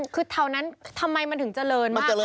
คือเท่านั้นทำไมมันถึงเจริญมากขนาดนี้